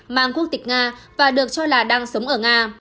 mang quốc tịch nga và được cho là đang sống ở nga